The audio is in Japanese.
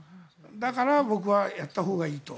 だから、僕はやったほうがいいと。